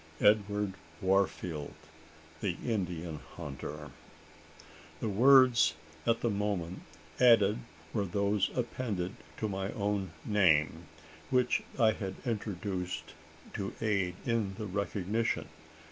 "Edward Warfield, The Indian Hunter." The words at the moment added were those appended to my own name which I had introduced to aid in the recognition.